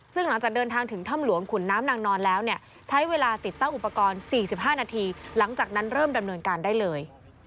ซึ่งหลังจากเดินทางถึงถ้ำหลวงขุนน้ำนางนอนแล้วเนี่ยใช้เวลาติดตั้งอุปกรณ์๔๕นาทีหลังจากนั้นเริ่มดำเนินการได้เลย